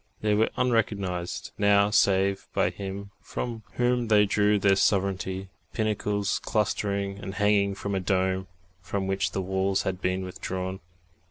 They were unrecognised, now, save by Him from whom they drew their sovereignty pinnacles clustering and hanging from a dome, from which the walls had been withdrawn.